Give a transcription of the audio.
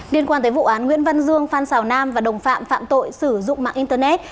liên quan tới vụ án nguyễn văn dương phan xào nam và đồng phạm phạm tội sử dụng mạng internet